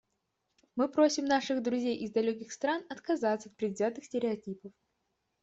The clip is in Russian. Мы просим наших друзей из далеких стран отказаться от предвзятых стереотипов.